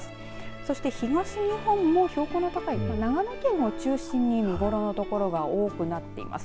そして、東日本も標高の高い長野県を中心に見頃の所が多くなっています。